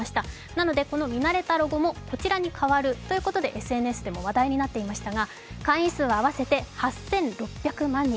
なので、この見慣れたロゴもこちらに変わるとということでＳＮＳでも話題になっていましたが、会員数は合わせて８６００万人。